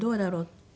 って。